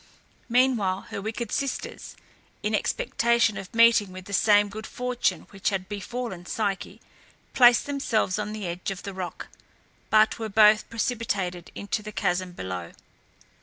Meanwhile her wicked sisters, in expectation of meeting with the same good fortune which had befallen Psyche, placed themselves on the edge of the rock, but were both precipitated into the chasm below.